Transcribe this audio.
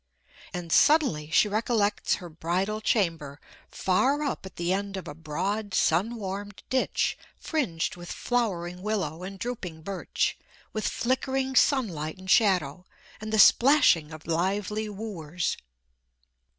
And suddenly she recollects her bridal chamber, far up at the end of a broad, sun warmed ditch fringed with flowering willow and drooping birch, with flickering sunlight and shadow, and the splashing of lively wooers.